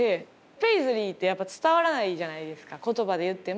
ペイズリーって伝わらないじゃないですか言葉で言っても。